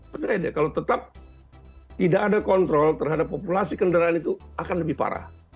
benar aja kalau tetap tidak ada kontrol terhadap populasi kendaraan itu akan lebih parah